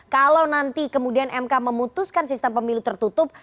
kalau nanti kemudian mk memutuskan sistem pemilu tertutup